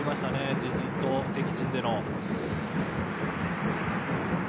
自陣と敵陣での。